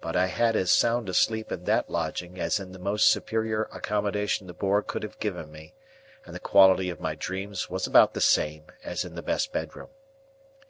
But I had as sound a sleep in that lodging as in the most superior accommodation the Boar could have given me, and the quality of my dreams was about the same as in the best bedroom.